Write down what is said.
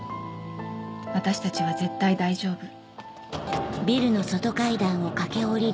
私たちは絶対大丈夫。